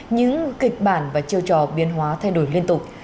những kịch bản và chiêu trò biên hóa thay đổi liên tục